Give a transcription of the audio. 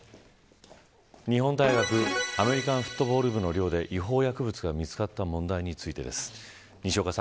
日本大学アメリカンフットボール部の寮で違法薬物が見つかった問題についてです。